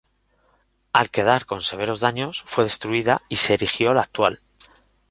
Al quedar con severos daños fue destruida y se erigió la actual.